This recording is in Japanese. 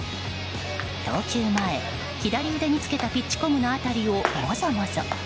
投球前、左腕に着けたピッチコムの辺りをもぞもぞ。